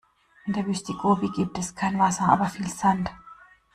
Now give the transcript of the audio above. In der Wüste Gobi gibt es kein Wasser, aber viel Sand.